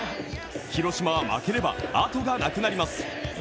広島は負ければあとがなくなります。